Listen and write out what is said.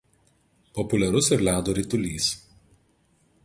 Populiarus ir ledo ritulys.